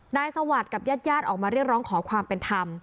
สวัสดิ์กับญาติญาติออกมาเรียกร้องขอความเป็นธรรม